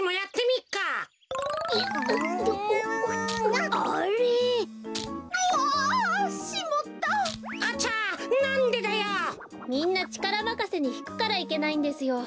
みんなちからまかせにひくからいけないんですよ。